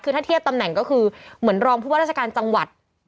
คือถ้าเทียบตำแหน่งก็คือเหมือนรองผู้ว่าราชการจังหวัด